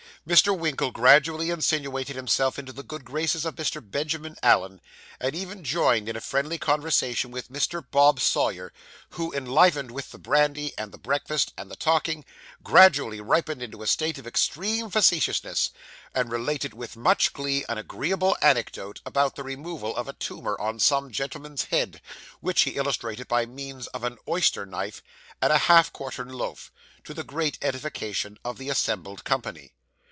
Mr. Winkle gradually insinuated himself into the good graces of Mr. Benjamin Allen, and even joined in a friendly conversation with Mr. Bob Sawyer; who, enlivened with the brandy, and the breakfast, and the talking, gradually ripened into a state of extreme facetiousness, and related with much glee an agreeable anecdote, about the removal of a tumour on some gentleman's head, which he illustrated by means of an oyster knife and a half quartern loaf, to the great edification of the assembled company.